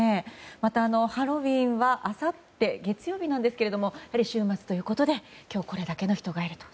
また、ハロウィーンはあさって、月曜日なんですが週末ということで今日これだけの人がいると。